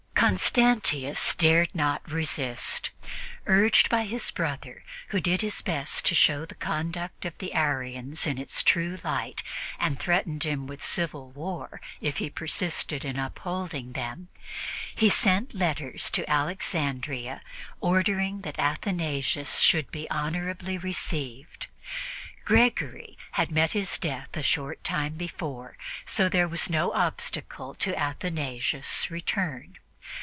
Constantius dared not resist. Urged by his brother, who did his best to show the conduct of the Arians in its true light and threatened him with civil war if he persisted in upholding them, he sent letters to Alexandria ordering that Athanasius should be honorably received. Gregory had met his death a short time before, so there was no obstacle to Athanasius' return.